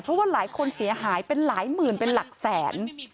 เพราะว่าหลายคนเสียหายเป็นหลายหมื่นเป็นหลักแสน